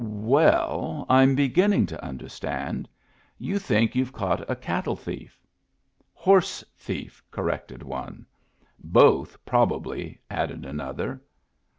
"Well, I'm beginning to understand. You think you've caught a cattle thief." " Horse thief," corrected one. " Both, probably," added another.